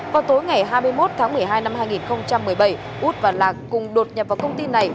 vào tối ngày hai mươi một tháng một mươi hai năm hai nghìn một mươi bảy út và lạc cùng đột nhập vào công ty này